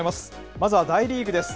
まずは大リーグです。